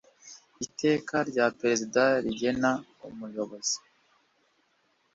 iteka rya perezida rigena umuyobozi